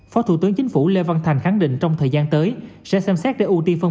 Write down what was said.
phó thủ tướng chính phủ lê văn thành khẳng định trong thời gian tới sẽ xem xét để ưu tiên phân